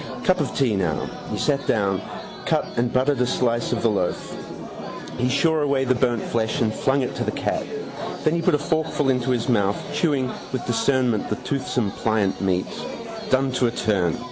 Cup of tea now. He sat down, cut and buttered a slice of the loaf. He shore away the burnt flesh and flung it to the cat. Then he put a forkful into his mouth, chewing with discernment the toothsome pliant meat. Done to a turn.